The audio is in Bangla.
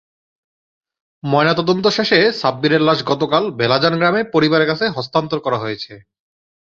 ময়নাতদন্ত শেষে সাব্বিরের লাশ গতকাল ভেলাজান গ্রামে পরিবারের কাছে হস্তান্তর করা হয়েছে।